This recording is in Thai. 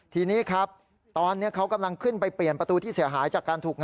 ทีนี้ครับตอนนี้เขากำลังขึ้นไปเปลี่ยนประตูที่เสียหายจากการถูก